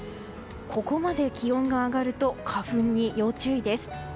ここまで気温が上がると花粉に要注意です。